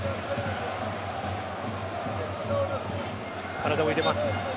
体を入れます。